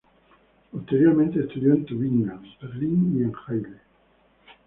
Posteriormente estudió en Tübingen, Berlín y en Halle.